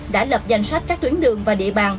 đã lập danh sách các tuyến đường và địa bàn